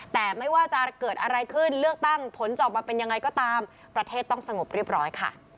แต่ไม่ว่าจะเกิดอะไรขึ้นเลือกตั้งผลจะออกมาเป็นยังไงก็ตามประเทศต้องสงบเรียบร้อยค่ะ